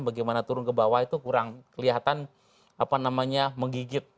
bagaimana turun ke bawah itu kurang kelihatan menggigit